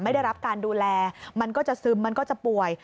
ไม่ได้รับการดูแลมันก็จะซึมมันก็จะป่วย